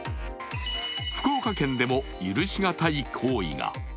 福岡県でも許しがたい行為が。